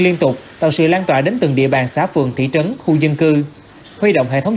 liên tục tạo sự lan tỏa đến từng địa bàn xã phường thị trấn khu dân cư huy động hệ thống